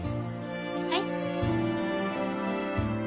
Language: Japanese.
はい？